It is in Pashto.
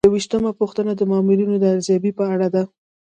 یوویشتمه پوښتنه د مامورینو د ارزیابۍ په اړه ده.